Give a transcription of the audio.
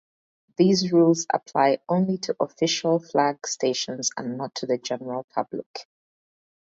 These rules apply only to official flag stations and not to the general public.